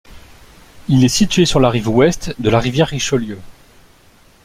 Il est situé sur la rive ouest de la rivière Richelieu.